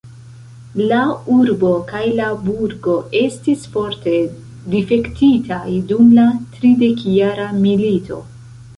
La urbo kaj la burgo estis forte difektitaj dum la tridekjara milito.